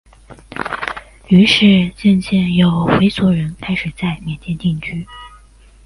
于是渐渐有回族人开始在缅甸定居。